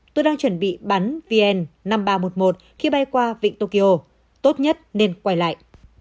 tôi đang chuẩn bị bắn vn năm nghìn ba trăm một mươi một khi bay qua vịnh tokyo tốt nhất nên quay lại